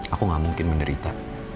aku gak mungkin menderita